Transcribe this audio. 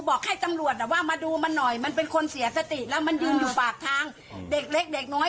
บอกให้ตำรวจว่ามาดูมันหน่อยมันเป็นคนเสียสติแล้วมันยืนอยู่ปากทางเด็กเล็กเด็กน้อย